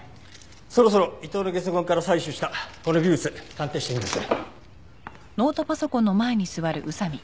そろそろ伊藤のゲソ痕から採取したこの微物鑑定してみます。